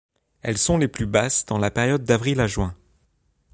Elles sont les plus basses dans la période d'avril à juin.